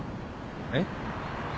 えっ？